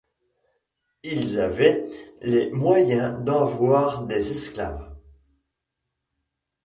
Ils avaient les moyens d’avoir des esclaves.